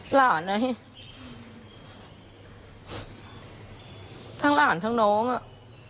หลานอ่ะทั้งหลานทั้งน้องอ่ะ